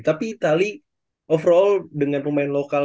tapi itali overall dengan pemain lokal